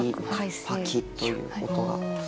パキッという音が。